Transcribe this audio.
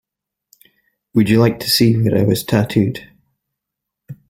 Would you like to see where I was tattooed?